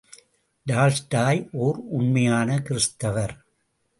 Tolstoy ஓர் உண்மையான கிறித்துவர்.